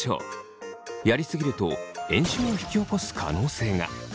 やりすぎると炎症を引き起こす可能性が。